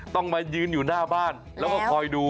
ต้องมายืนอยู่หน้าบ้านแล้วก็คอยดู